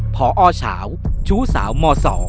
พอชาวชู้สาวม๒